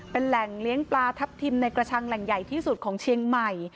เป็นแหล่งเลี้ยงปลาทับทิมในกระชังแหล่งใหญ่ที่สุดของเชียงใหม่